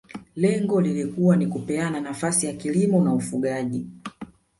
Lengo lilikuwa ni kupeana nafasi ya kilimo na ufugaji